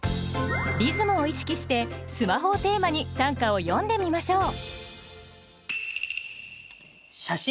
リズムを意識して「スマホ」をテーマに短歌を詠んでみましょう。